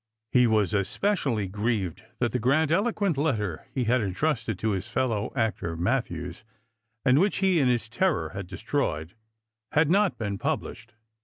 He was especially grieved that the grandiloquent letter he had intrusted to his fellow actor Matthews — and which he in his terror had destroyed — had not been published.